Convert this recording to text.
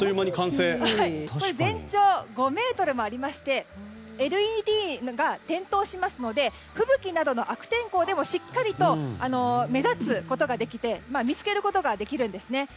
これ、全長５ｍもありましてＬＥＤが点灯しますので吹雪などの悪天候でもしっかりと目立つことができて見つけることができるんですね。